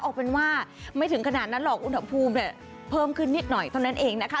เอาเป็นว่าไม่ถึงขนาดนั้นหรอกอุณหภูมิเพิ่มขึ้นนิดหน่อยเท่านั้นเองนะคะ